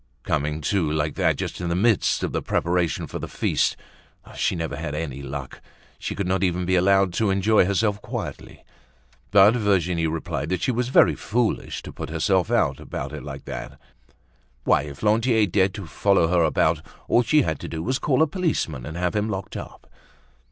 Coming, too, like that, just in the midst of the preparations for the feast. She had never had any luck; she could not even be allowed to enjoy herself quietly. But Virginie replied that she was very foolish to put herself out about it like that. Why! If Lantier dared to follow her about, all she had to do was to call a policeman and have him locked up.